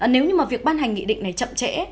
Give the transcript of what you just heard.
nếu như mà việc ban hành nghị định này chậm trễ